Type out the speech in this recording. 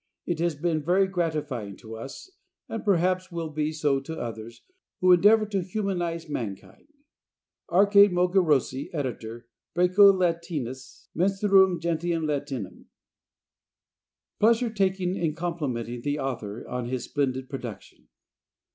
It has been very gratifying to us, and perhaps will be so to others who endeavor to humanize mankind." Arcade Mogyorossy, Editor Praeco Latinus Menstruum Gentium Latinum. Pleasure Taken "in Complimenting the Author on His Splendid Production."